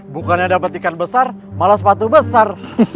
bukannya dapat ikan besar malah sepatu besar